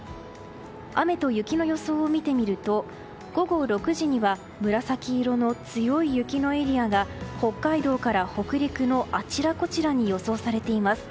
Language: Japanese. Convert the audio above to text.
雨の雪の予想を見てみると午後６時には紫色の強い雪のエリアが北海道から北陸のあちらこちらに予想されています。